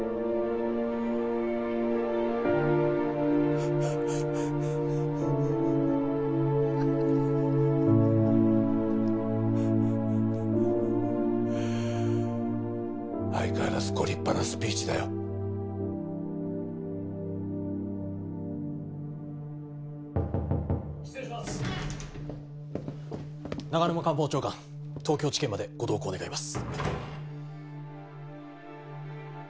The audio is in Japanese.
フッフッフッハハハハ相変わらずご立派なスピーチだよ・失礼します長沼官房長官東京地検までご同行願います